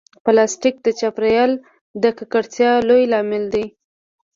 پلاستيک د چاپېریال د ککړتیا لوی لامل دی.